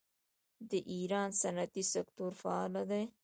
د ایران صنعتي سکتور فعال دی.